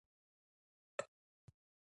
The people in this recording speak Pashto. د مامورینو د کاري وړتیاوو لوړول هدف دی.